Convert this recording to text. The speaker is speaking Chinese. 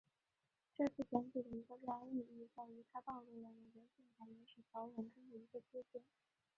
这次选举的一个重要意义在于它暴露了美国宪法原始条文中的一个缺陷。